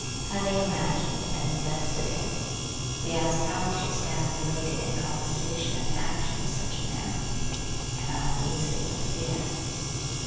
Having imagined and invested him, we ask how we should stand related in conversation and action with such a man, and are uneasy with fear.